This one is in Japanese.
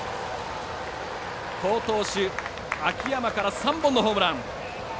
好投手、秋山から３本のホームラン。